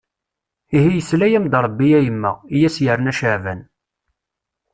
Ihi yesla-am-d Rebbi a yemma. I as-yerna Caɛban.